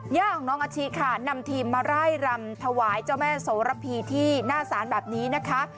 ย่าของน้องอาชิค่ะนำทีมมาไล่รำถวายเจ้าแม่โสระพีที่หน้าศาลแบบนี้นะคะ